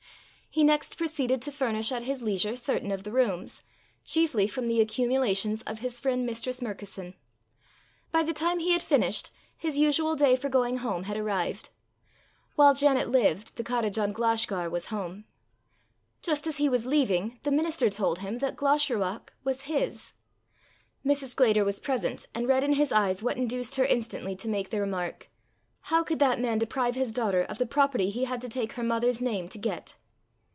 He next proceeded to furnish at his leisure certain of the rooms, chiefly from the accumulations of his friend Mistress Murkison. By the time he had finished, his usual day for going home had arrived: while Janet lived, the cottage on Glashgar was home. Just as he was leaving, the minister told him that Glashruach was his. Mrs. Sclater was present, and read in his eyes what induced her instantly to make the remark: "How could that man deprive his daughter of the property he had to take her mother's name to get!"